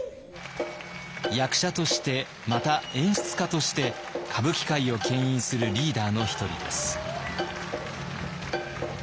役者としてまた演出家として歌舞伎界をけん引するリーダーの１人です。